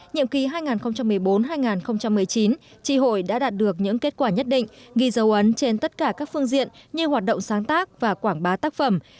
nhiệm kỳ hai nghìn một mươi bốn hai nghìn một mươi chín tri hội đã đạt được những kết quả nhất định ghi dấu ấn trên tất cả các phương diện như hoạt động sáng tác và quảng bá tác phẩm